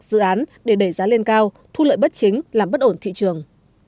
dự án để đẩy giá lên cao thu lợi bất chính làm bất ổn thị trường